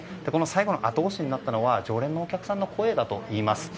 最後の後押しになったのは常連のお客さんの声だといいます。